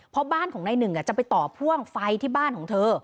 เพราะบ้านของนายหนึ่งจะไปต่อพ่วงไฟที่บ้านของเธอ